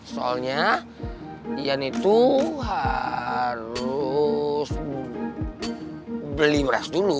soalnya ian itu harus beli beras dulu